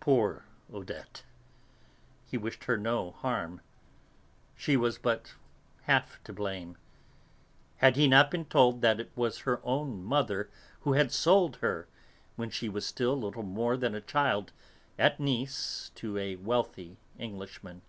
Poor Odette! He wished her no harm. She was but half to blame. Had he not been told that it was her own mother who had sold her, when she was still little more than a child, at Nice, to a wealthy Englishman?